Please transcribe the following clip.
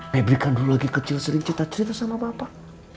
saya berikan dulu lagi kecil sering cerita cerita sama bapak